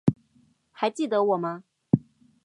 还记得我吗？